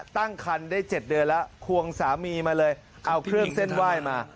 ตั้งคันได้๗เดือนแล้วควงสามีมาเลยเอาเครื่องเส้นไหว้มา